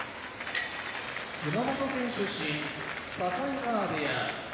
熊本県出身境川部屋